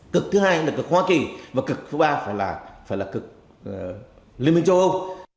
cực thứ hai là cực hoa kỳ và cực thứ ba phải là cực liên minh châu âu